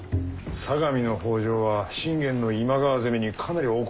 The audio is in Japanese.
相模の北条は信玄の今川攻めにかなり怒っておるらしい。